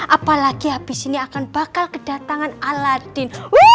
apalagi habis ini akan bakal kedatangan aladin